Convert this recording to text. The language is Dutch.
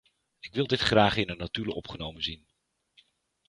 Ik wil dit graag in de notulen opgenomen zien.